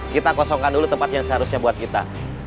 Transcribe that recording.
kita kosongkan dulu tempat yang seharusnya buat kita